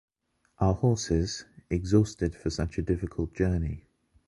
our horses, exhausted for such a difficult journey